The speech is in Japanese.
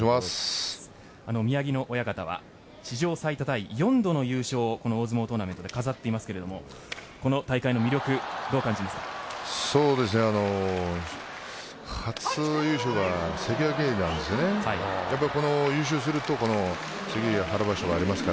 宮城野親方は史上最多タイ４度の優勝を大相撲トーナメントで飾っていますがこの大会の魅力どう感じますか？